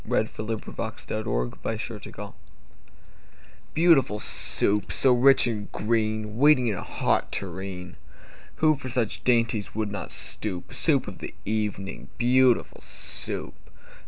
] Lewis Carroll Beautiful Soup BEAUTIFUL Soup, so rich and green, Waiting in a hot tureen! Who for such dainties would not stoop? Soup of the evening, beautiful Soup!